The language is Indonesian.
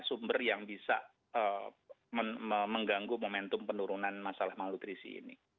sumber yang bisa mengganggu momentum penurunan masalah malnutrisi ini